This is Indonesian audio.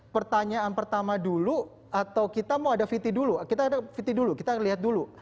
pertanyaan pertama dulu atau kita mau ada vt dulu kita ada vt dulu kita lihat dulu